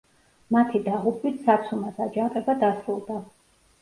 მათი დაღუპვით საცუმას აჯანყება დასრულდა.